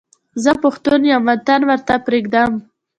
زه پښتون یم وطن ورته پرېږدم.